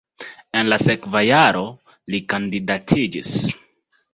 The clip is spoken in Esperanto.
En la sekva jaro li kandidatiĝis.